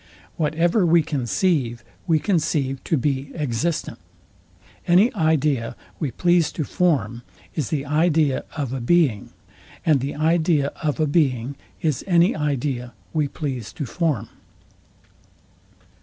Whatever we conceive, we conceive to be existent. Any idea we please to form is the idea of a being; and the idea of a being is any idea we please to form.